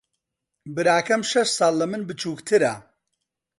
براکەم شەش ساڵ لە من بچووکترە.